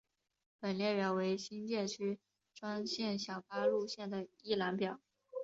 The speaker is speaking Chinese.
本列表为新界区专线小巴路线的一览表。